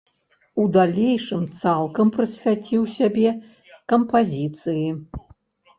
У далейшым цалкам прысвяціў сябе кампазіцыі.